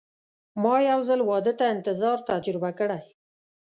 ما یو ځل واده ته انتظار تجربه کړی.